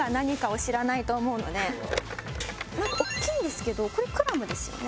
おっきいんですけどこれクラムですよね。